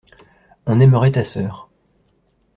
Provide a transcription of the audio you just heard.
On aimerait ta sœur.